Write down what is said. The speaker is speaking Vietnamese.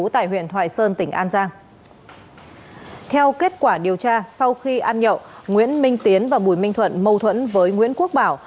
theo kết quả điều tra sau khi ăn nhậu nguyễn minh tiến và bùi minh thuận mâu thuẫn với nguyễn quốc bảo